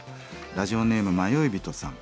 ラジオネーム迷い人さん。